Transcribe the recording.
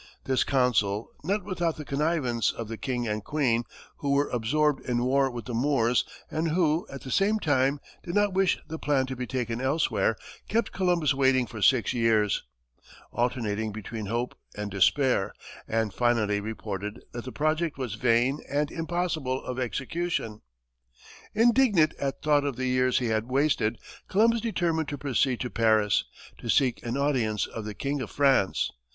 This council, not without the connivance of the king and queen, who were absorbed in war with the Moors, and who, at the same time, did not wish the plan to be taken elsewhere, kept Columbus waiting for six years, alternating between hope and despair, and finally reported that the project was "vain and impossible of execution." Indignant at thought of the years he had wasted, Columbus determined to proceed to Paris, to seek an audience of the King of France.